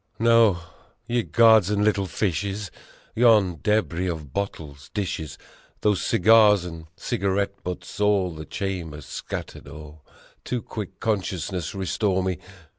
No ! Ye gods and little fishes ! Yon debris of bottles dishes Those cigar and cigarette butts all the chamber scattered o'er, To quick consciousness restore me.